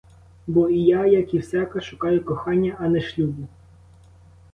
Бо і я — як і всяка — шукаю кохання, а не шлюбу.